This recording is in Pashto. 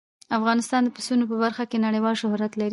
افغانستان د پسونو په برخه کې نړیوال شهرت لري.